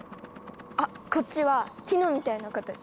あっこっちはティノみたいな形。